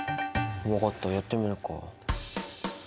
分かったやってみるか。